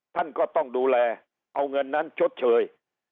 ท่านก็ต้องดูแลเอาเงินนั้นชดเชย